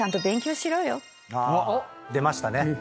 出ましたね。